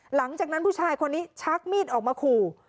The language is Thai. หลังจากนั้นผู้ชายคนนี้ชักมีดออกมาขู่